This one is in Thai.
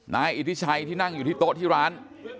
นายอิทธิชัยที่นั่งอยู่ที่โต๊ะที่ร้าน